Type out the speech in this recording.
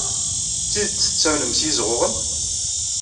D tidet tettamnem s yizɣuɣen?